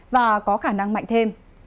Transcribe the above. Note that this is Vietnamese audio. và có khả năng mạnh thêm